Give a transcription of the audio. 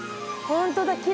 ほんとだ。